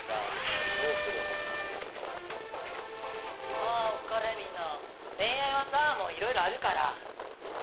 ああお疲れみんな。